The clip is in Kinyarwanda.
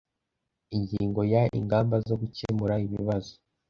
Ingingo ya ingamba zo gukemura ibibazo